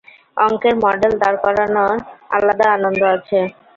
অঙ্কের মডেল দাঁড় করানোর আলাদা আনন্দ আছে।